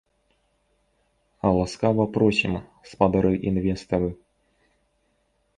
Ласкава просім, спадары інвестары!